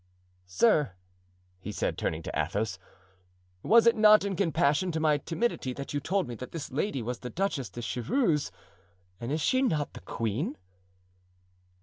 "Sir," he said, turning to Athos, "was it not in compassion to my timidity that you told me that this lady was the Duchess de Chevreuse, and is she not the queen?"